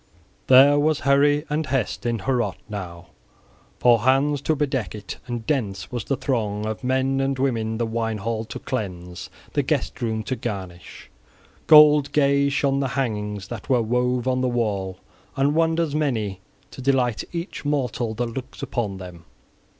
XV THERE was hurry and hest in Heorot now for hands to bedeck it, and dense was the throng of men and women the wine hall to cleanse, the guest room to garnish. Gold gay shone the hangings that were wove on the wall, and wonders many to delight each mortal that looks upon them.